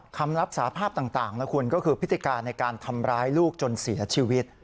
คำรับสาภาพต่างนะคุณก็คือพฤติการในการทำร้ายลูกจนเสียชีวิต